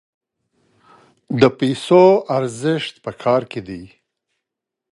د پیسو ارزښت په کار کې دی.